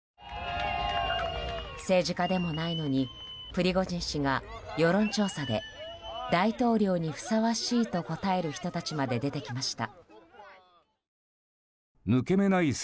政治家でもないのにプリゴジン氏が、世論調査で大統領にふさわしいと答える人たちまで出てきました。